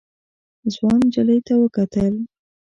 ځوان نجلۍ ته وکتل.